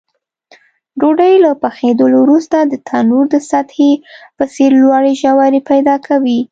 ډوډۍ له پخېدلو وروسته د تنور د سطحې په څېر لوړې ژورې پیدا کوي.